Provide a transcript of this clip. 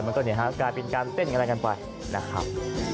มันก็เนี่ยฮะกลายเป็นการเต้นอะไรกันไปนะครับ